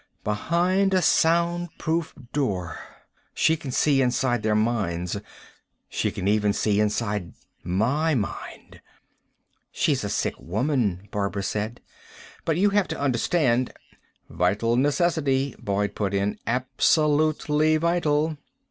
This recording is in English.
Behind a soundproof door. She can see inside their minds. She can even see inside my mind." "She's a sick woman," Barbara said. "But you have to understand " "Vital necessity," Boyd put in. "Absolutely vital."